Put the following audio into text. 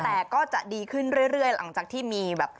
แต่ก็จะดีขึ้นเรื่อยหลังจากที่มีแบบ